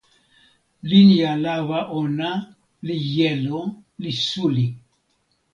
linja lawa ona li jelo li suli.